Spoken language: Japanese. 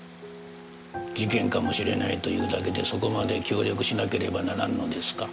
事件かもしれないというだけでそこまで協力しなければならんのですか？